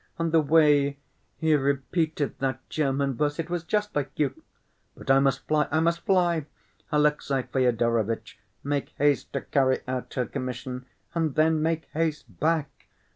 And the way he repeated that German verse, it was just like you! But I must fly, I must fly! Alexey Fyodorovitch, make haste to carry out her commission, and then make haste back.